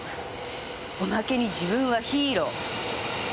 おまけに自分はヒーロー。